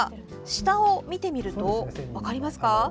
下を見てみると分かりますか？